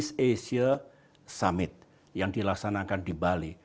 asia summit yang dilaksanakan di bali